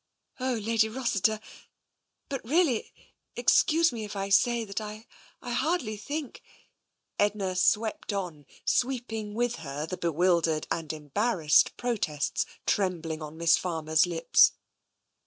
" Oh, Lady Rossiter ! but really, excuse me if I say that I hardly think " Edna swept on, sweeping with her the bewildered and embarrassed protests trembling on Miss Farmer's lips.